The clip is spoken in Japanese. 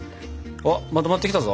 あっまとまってきたぞ。